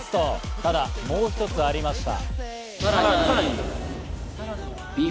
ただもう一つありました。